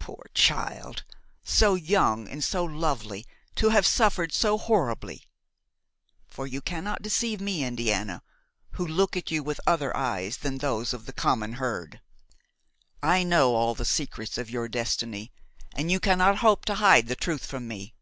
Poor child! so young and so lovely, to have suffered so horribly! for you cannot deceive me, Indiana, who look at you with other eyes than those of the common herd; I know all the secrets of your destiny, and you cannot hope to hide the truth from me.